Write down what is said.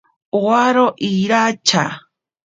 Woro iracha.